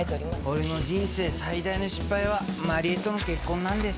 俺の人生最大の失敗は万里江との結婚なんです。